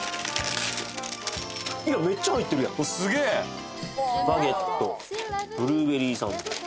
いやめっちゃ入ってるやんすげえバゲットブルーベリーサンド